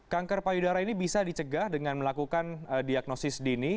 kanker payudara ini bisa dicegah dengan melakukan diagnosis dini